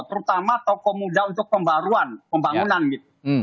terutama tokoh muda untuk pembaruan pembangunan gitu